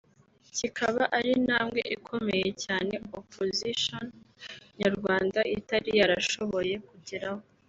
kikaba ari intambwe ikomeye cyane “opposition” nyarwanda itari yarashoboye kugeraho